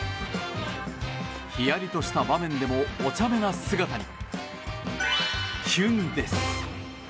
ひやりとした場面でもおちゃめな姿にキュンです。